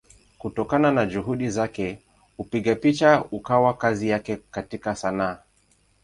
Kutokana na Juhudi zake upigaji picha ukawa kazi yake katika Sanaa.